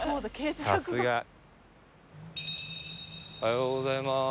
さすが。おはようございます。